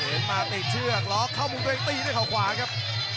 มาติดเชือกล็อกเข้ามุมตัวเองตีด้วยเขาขวาครับ